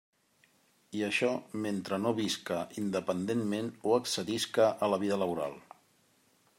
I això mentre no visca independentment o accedisca a la vida laboral.